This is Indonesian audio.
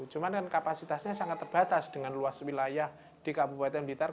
cuman kan kapasitasnya sangat terbatas dengan luas wilayah di kabupaten bitar